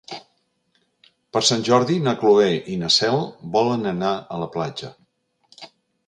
Per Sant Jordi na Cloè i na Cel volen anar a la platja.